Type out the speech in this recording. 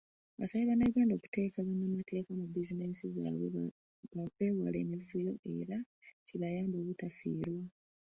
Asabye bannayuganda okuteeka bannamateeka mu bbiizineesi zaabwe beewale emivuyo era kibayambe obutafirizibwa.